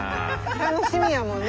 楽しみやもんね。